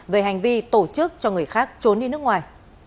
về hành vi tổ chức cho người khác trốn đi nước ngoài